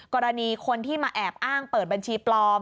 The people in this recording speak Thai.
กรณีคนที่มาแอบอ้างเปิดบัญชีปลอม